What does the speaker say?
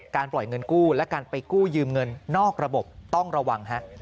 ปล่อยเงินกู้และการไปกู้ยืมเงินนอกระบบต้องระวังฮะ